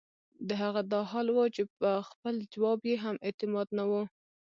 د هغه دا حال وۀ چې پۀ خپل جواب ئې هم اعتماد نۀ وۀ